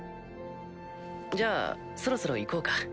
じゃあそろそろ行こうか。